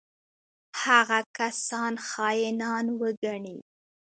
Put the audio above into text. هغه کسان خاینان وګڼي.